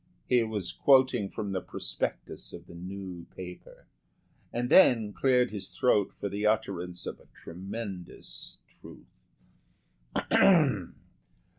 He was quoting from the prospectus of the new paper, and then cleared his throat for the utterance of a tremendous truth.